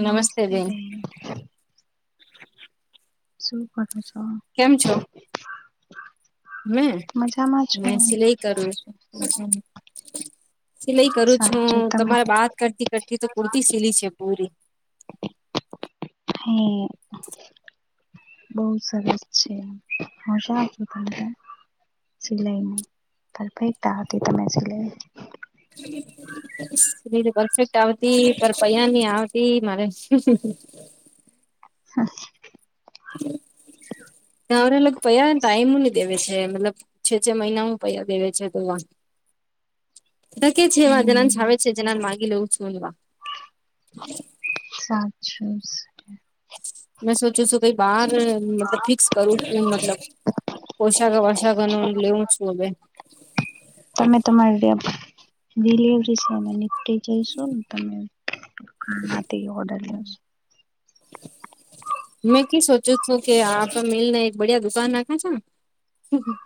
નમસ્તે બેન. શું કરો છો? કેમ છો. મે મજામાં છો મે સિલાઈ કરું છું. સિલાઈ કરું છું સાચું હું તમે તમારે બાત કરતી કરતી તો કુર્તી સિલી છે પૂરી. હાઇ બહુ સરસ છે. મજા આઇ તમને? સિલાઈન, પરફેક્ટ તા હતી તમે સિલાઈ [inaudible] બીજુ પરફેક્ટ આવતી, પર પૈયાની આવતી મારે. [inaudible] નવરા લોગ પૈયાં ને ટાઈમની દેવે છે મતલબ છે છે મહિના હું પૈયા દેવે છે, કોઈ વાર દેકે છે બાલાન્ક હમ આવે છે, જેનાન માગી લેવું છું એવા સાચુસ મેં સોચું છું કઈ બહાર મતલબ ફિક્સ કરું છું મતલબ પોશાક વશાકા નુ લેવું છું હવે પન તમારીતો ડીલવરી છે એને નિપટી જઈશું ને તમે, આનાથી ઓર્ડર લ્યો છો. મેં કી સોચુ છું કે, આપે મિલને એક બડિયા દુકાન નાખે છે.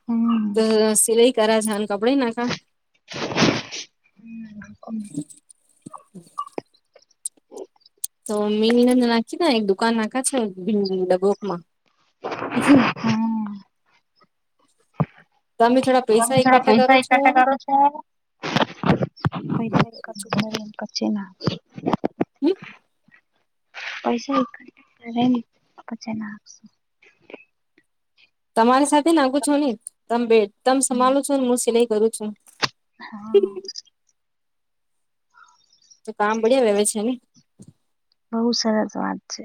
હમ્મ અ સિલાઈ કરા હાણ કપડે ઈ નાખા હમ ઓ મીનીનંદ નાખીના એક દુકાન નાખા છે, ભીલું ભીલું ડગોક માં. [unintelligible] તમે થોડા એકઠા કરો પૈસા છો એકઠા કરો છો? પૈસાઈ કદું ખાઇ ના કરચેના [unintelligible] પૈસા એકઠઠા કરાયને પછી નાખશું તમારે સાથે નાખું છોને, તમે બે તમ હમ સભળો છો, ને હું સિલાઈ કરું છું. હા તો કામ બડિયા વેવે છે ને. બઉુ સરસ વાત છે.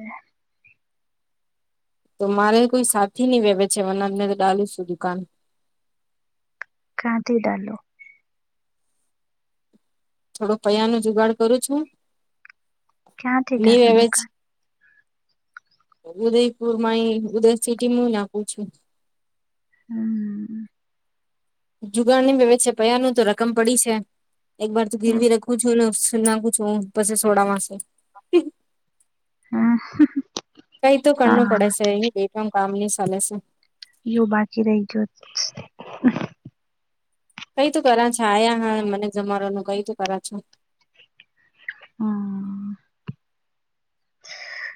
તો મારે કોઈ સાથી નહી વેવે જવાના, મેં તો ડાલુ શું દુકાન. ક્યાં થી ડાલો. થોડો પૈયા નો જુગાડ કરું છું, ક્યાંથી હી ડાલો એવેજ દુકાન ઉદયપુર માંઈ ઉદય સિટી હું નાખું છું. હમ્મ જુગાડની વેવે છેે, પયા નુ તો રકમ પડી છે. એક વાર તું હમ ગીરવી રાખું છું, ને નાખું છું હું પસે સોડાવા સે. હમ, કઈ તો કરવું પડે હા શે, યુહી બેઠવામા કામ ની ચાલે છે. યો બાકી રહી ગયો. કઈ તું કરા છે, આયા હા મને જમાવાનું કઈ તું કરા છો. હમ્મ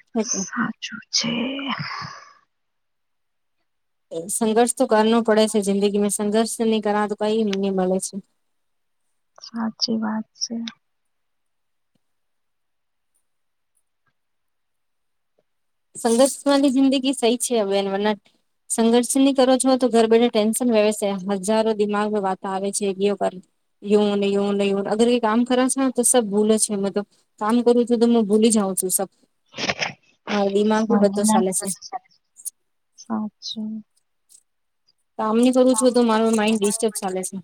[unintelligible] આછું છે. સંઘર્ષ તો કરનોર પડે છે જિંદગીમાં, સંઘર્ષ નહી કરા તો કઈ મને મળે છે. સાચી વાત છે. સંઘર્ષ વાળી જિંદગી સહી છે, હવે મને સંઘર્ષ ની કરો છો, તો ઘર બેઠા ટેન્શન રેવે શે, હજારો દિમાગ વાત આવે છે, બેવ કર યોન યોન યોન અગર એ કામ કરા શે, તો સબ ભૂલે છે મેતો. કામ કરુ છું તો હું ભૂલી જાઉં છું સબ. મારા દિમાગ બી બધો ચાલે છે [unintelligible] કામની કરું છું તો, મારો માઈન્ડ ડિસ્ટર્બ ચાલે છે.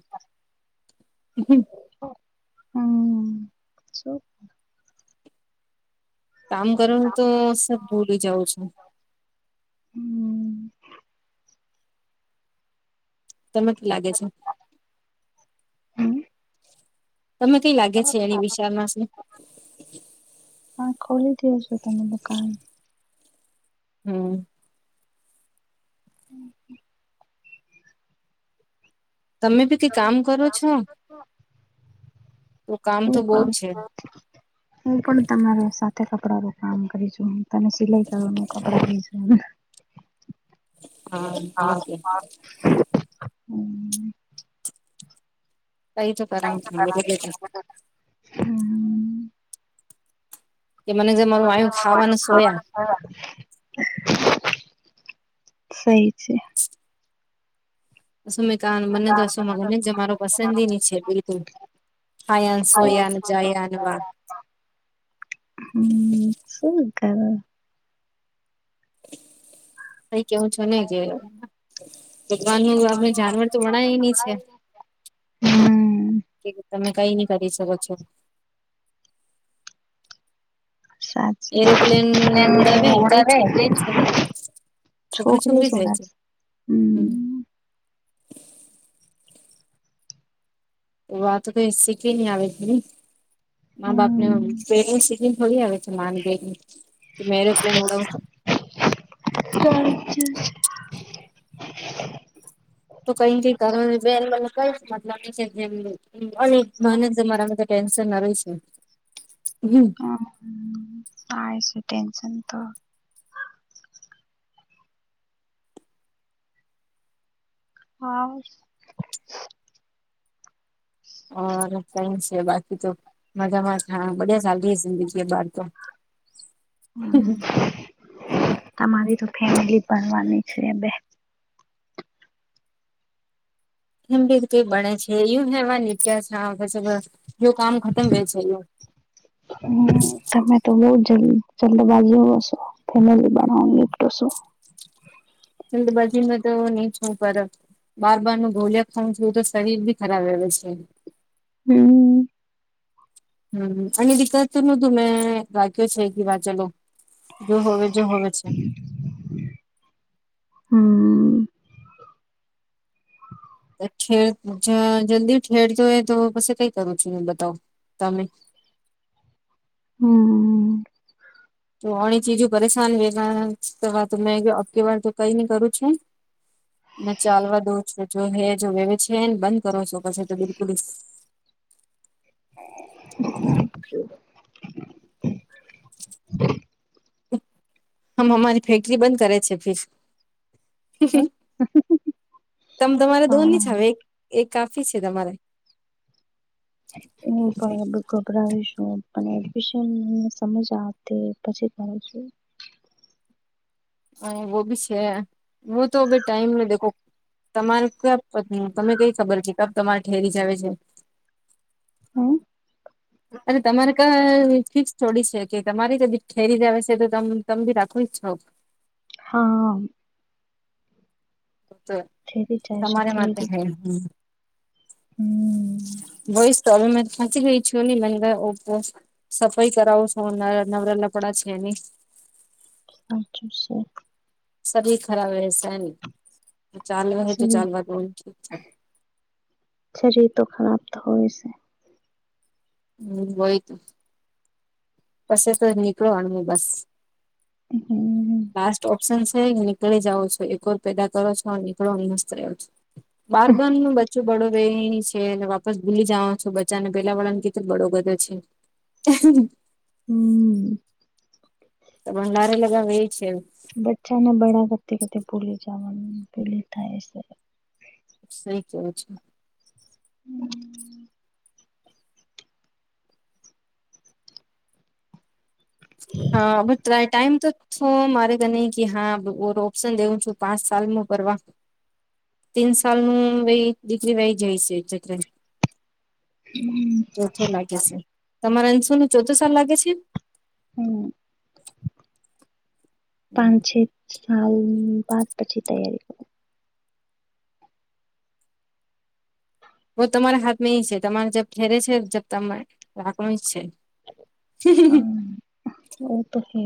હમ્મ છે કામ કરૂનું તો સબ ભૂલી જઉં છું. હમ તમે કે લાગે છે. હમ, તમ કઈ લાગે છે એની વિશાળ મા. હા ખોલી દ છું તમે દકાન. હમ. [unintelligible] તમે બી કઈ કામ કરો છો. તો કામ તો બહુ પણ જ છે [unintelligible] હું પણ તમારે સાથે કપડાનુંું કામ કરીું. તમે સિલાઈ કરવાનું ખબરઈજ. હા [unintelligible] કઈ [unintelligible] હમ, કે મને જે મારું આયું ખાવા સોયા. [unintelligible] સઈ છે. ું મેં ક મને તોશું મ મને જ મારો પસંદગી ન છે બિલકુલ. હયાનસોયાન જયાન વા. [unintelligible] હમ શું કર તઈ કેવું છો ને કે ભગવાનું આપને જાનવર તો વણાયની છે. હમ કે તમે કઈ નઈ કરી શકો છો. એરોપ્લેન ઉડાવે જે છોકરી છે ને [unintelligible] છોકરા છોકરી રહે છોડા છે હમ. તો વાતો તો શીખી આવે છે ને મા બાપ ને હમ પ્રેંગ શીખી ને થોડી આવે. માને [unintelligible] [unintelligible] તો કઈ કઈ [unintelligible] લ છે જેમ અને મન તમારામાં ટેન્શન ના રહી છે. હમ. હ [unintelligible] હા. ક છે બાકી તો મજામાં હા બ સિીજી બાર તો. હમ. તમારી તો ફેમિલી ભરવાની છે બે [unintelligible] [unintelligible] યા જો કામ ખતમ હો છે. હ તમે તો બઉ જલ્ જલ્ંદબાજ હોવ છો. ફેમલી બનાવની એક શું? જલ્દ બજીમાં તો નીચ ઉપર. બાર બાર નું ભોલિયા ખાું જોયું તો શરીર બી ખરાબ રહે છે. હમ. હમ એની દીકત તો નતું મેં રાખ્યો છે કે વા ચલો. જો હ જો હવે છે. હમ. ઠેર જલ્દી ઠેર જોય તો પછ કઈ કરું છું એ બતાવ તમે હમ. તો ઘણી ચીજો પરેશાન વે તો મેં અકેવાર તો કઈ નઈ કરું છે. ને ચાલવા દઉ જો હે જો વેવે છેને બંધ કરો છો પછી તો બિલકુલ. [unintelligible] હમ અમારી ફેક્ટરી બંધ કરે છે ફીર. તમ તમારે હા દોનની જ હ એ એક એક કાફી છે તમારે. હું બરાબર ગભરાવીશું પણ એડમિશન સમજ તે પછી તણું છે. અ વ બી છે વ તો અ ટાઈમ ન દેખો તમારે ક પ તને કઈ ખબર છે, ક તમારે ઠેરી જ આવે છે. હા અને તમારે ક ફિક્સ થોડી છે, કે તમારે કદી ઠેરી દવે છે, તો તમે બી રાખું જ છો. હા બ તો તમારે માટે છે, હે ખ હમ વયસ તો અ મે થાંસી ગઈ છું, મંગ ઓપો સફાઈ કરાવું છો નવરા લપડા છે, એની અચ્છા છે. સી ખરાબ વસા ને ચાલ વ તો શરીર ચાલ વા ઠીક છે. શરીર તો ખરાબ હોય છે. હમ હોયતું પછ તો નીકળો અને બસ. હમ લાસ્ટ ઓપ્શન છે, નીકળી જાવો છો એકકોર પેદા કરો છો નીકળો મસ્ત રહ્યો છો બારબન નું બચ્ચું પડો રે એની છે. કે વાપસ ભૂલી જવા છો બચા ને પેહલા વાળા ને કીધ બળોગતો છે. હમ તો ભડારે લગાવ છે. બચ્ચાને બળા ગતિ ગતિ ભૂલી જવાનું ભૂલી થાય છે. સઈ કેું છે. હમ હા બ ટાઈમ તો હ મારે કને કે હા ઓપ્શન દેવું છું, પાંચ સાલમાં કરવાર. તીન સાલ ન વ દીકરી વહી જાય છે, ચક્ર. હમ. ચોથો લાગે છે, તમારે અંશો નો ચોથો સલ લાગે છે?. હમ પાંચ. સાાલ પાચ પછી તૈયારી કરું. બ તમારા હાથ છે, તમારે જબ ઠેરે છે જબ તમામે રાખનું જ છે. હમ ઓ તો હે.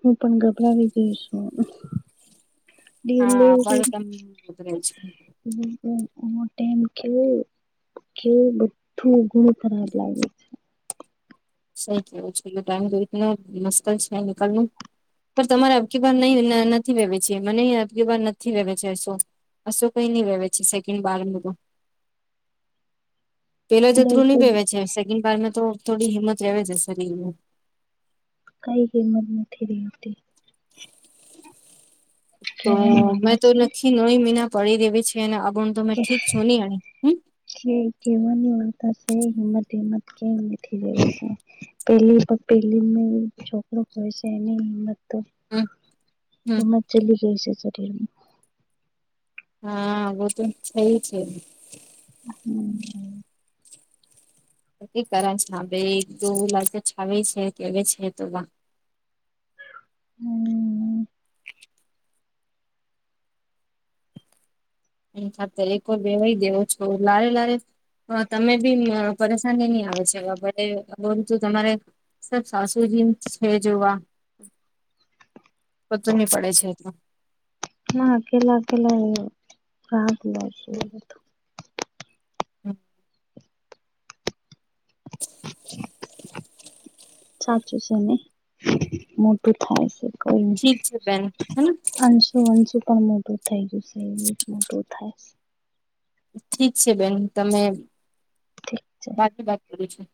હું પણ ગભરાવી દઈ છું. હા બળ તમ જ. મ કેવું બધુંઘું ખરાબ લાગ્યું. સઈ કેવું છે, એ ટાઈમ તોતને મુશ્કલ છે, નીકળવ. પણ તમારા અકીબાર નહી નથી વેવે છે, મને અકીબાર નથી વેવે છે. શું? અશું કઈ નહી વેવે છે સેકન્ડ બાર ન તો પેલો છે જતરું દર્દ નહી વેવે છે, સેકન્ડ બારમાં તો થોડી હિંમત લે છે, શરીર કઈ કિંમત નથી રહી. તો કહેવાની મેં વાર્તા તો છે નથી નોઇ મહિના પડી દેવી છે, અને તો [inaudible] મેં ઠીક છું નહી અણી હમ કે કેવાની વાતા છે, હિંમત હિમત કેમ નથી છે. પેલી પેલી છોકરો હોય છે, એની હિંમત તો હમ હમ હિમાચલી ગ છે સરરી એ હા વો તો છેઈ તે. [inaudible] નકી કર છે બેાઈ દો લાગ છાવે છે કે છે તો. હમ. હ ખાતર એકર બેેવાય દેવો છો લારે લારે હ તમે બી પરેશાની નહી આવે છે તમારે. સર સાસુ જીન્ છે જોવા. બતું નહી પડે છે એટું. ના અકેલા અકેલા રાત લ. હમ. સાચું છેને મોટું થાય છે. કોઈ ઠીક છે બેન હેને હા. તો વનસું પણ મોટું થઇ ગયશે એ મોટું થાય. ઠીક છે બેન તમે છે ઠીક છે બાકી વાત કરું છું.